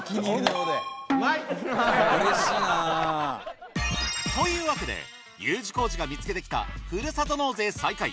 うれしいな。というわけでＵ字工事が見つけてきたふるさと納税最下位